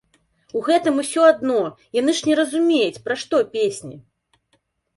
А гэтым усё адно, яны ж не разумеюць, пра што песні!